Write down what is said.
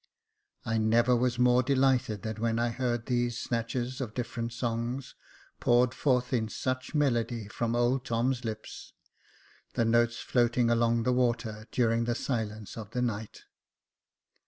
I never was more delighted than when I heard these snatches of different songs poured forth in such melody from old Tom's lips, the notes floating along the water during the silence of the night.